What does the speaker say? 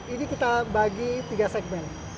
ini kita bagi tiga segmen